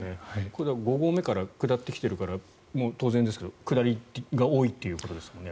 これは五合目から下ってきているので当然ですが下りが多いということですね。